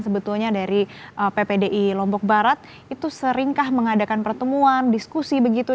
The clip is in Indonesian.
sebetulnya dari ppdi lombok barat itu seringkah mengadakan pertemuan diskusi begitu